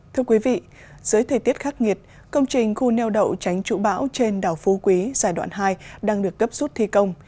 thưa quý vị dưới thời tiết khắc nghiệt công trình khu neo đậu tránh trụ bão trên đảo phú quý giai đoạn hai đang được cấp rút thi công